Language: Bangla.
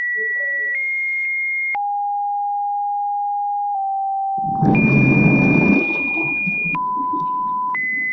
এই ভাষাটি অন্যান্য ভাষার মতো।